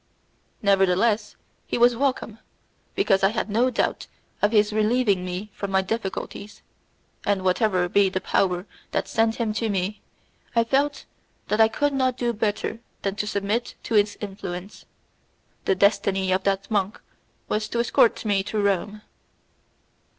Nevertheless he was welcome, because I had no doubt of his relieving me from my difficulties, and whatever might be the power that sent him to me, I felt that I could not do better than to submit to its influence; the destiny of that monk was to escort me to Rome.